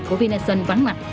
của vinasun vắng mặt